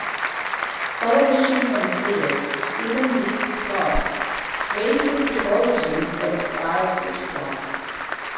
Television commentator Steven D. Stark traces the origins of the style to Chicago.